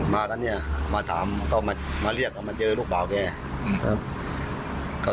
มากันเนี่ยมาถามก็มาเรียกเอามาเจอลูกบ่าวแก